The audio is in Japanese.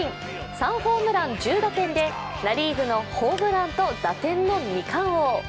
３ホームラン１０打点でナ・リーグのホームランと打点の２冠王。